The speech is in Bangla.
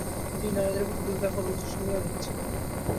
তিনি নারীদের প্রতি দুর্ব্যবহার ও অনুশাসন নিয়ে লিখেছিলেন।